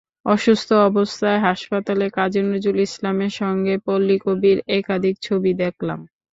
অসুস্থ অবস্থায় হাসপাতালে কাজী নজরুল ইসলামের সঙ্গে পল্লীকবির একাধিক ছবি দেখলাম।